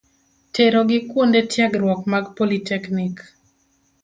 A. Terogi kuonde tiegruok mag politeknik.